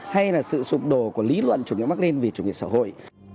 hay là sự sụp đổ của lý luận chủ nghĩa mạc lên về chủ nghĩa xã hội